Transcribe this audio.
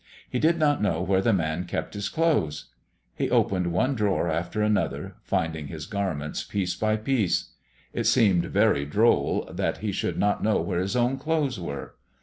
He did not know where the man kept his clothes. He opened one drawer after another, finding his garments piece by piece. It seemed very droll that he should not know where his own clothes were.